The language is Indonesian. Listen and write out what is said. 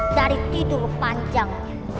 dari tidur panjang